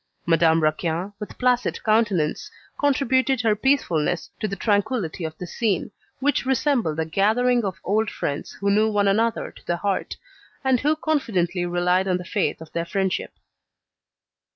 Madame Raquin, with placid countenance, contributed her peacefulness to the tranquillity of the scene, which resembled a gathering of old friends who knew one another to the heart, and who confidently relied on the faith of their friendship.